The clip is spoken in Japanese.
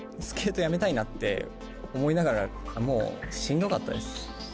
スケートやめたいなって思いながら、もうしんどかったです。